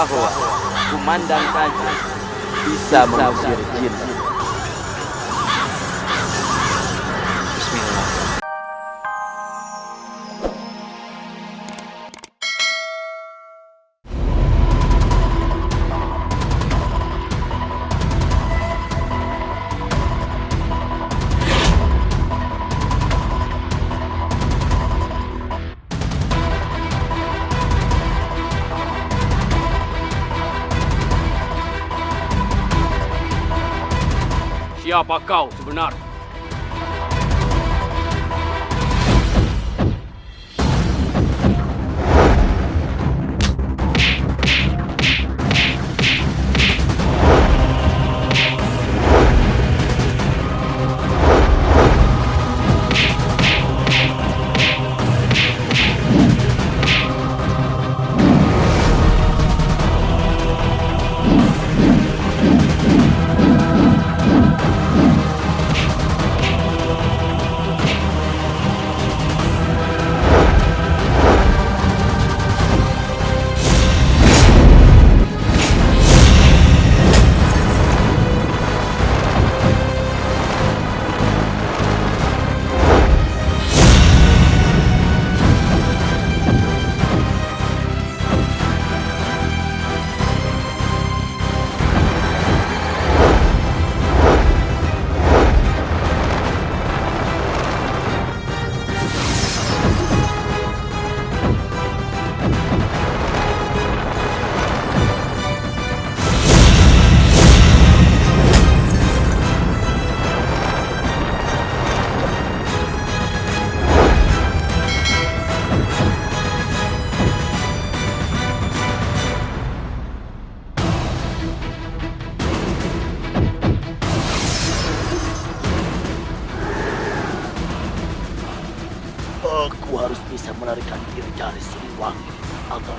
radia ada sebuah hadits rasulullah shallallahu alaihi wasallam yang dirayatkan oleh